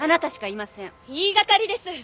言い掛かりです！